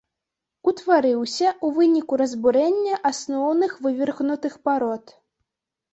Утварыўся ў выніку разбурэння асноўных вывергнутых парод.